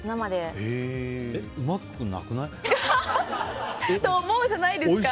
えっ、うまくなくない？と思うじゃないですか。